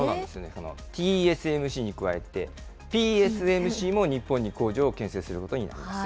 このＴＳＭＣに加えて、ＰＳＭＣも日本に工場を建設することになります。